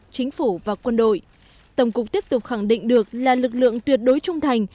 chính phủ và quân đội tổng cục tiếp tục khẳng định được là lực lượng tuyệt đối trung thành